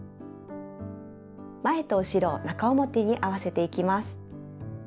前と後ろを中表に合わせていきます。